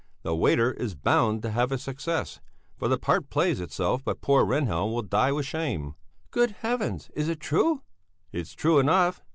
The waiter is bound to have a success, for the part plays itself; but poor Rehnhjelm will die with shame." "Good heavens! Is it true?" "It's true enough."